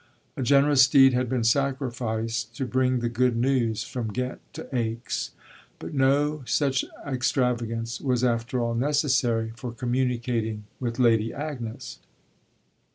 A generous steed had been sacrificed to bring the good news from Ghent to Aix, but no such extravagance was after all necessary for communicating with Lady Agnes.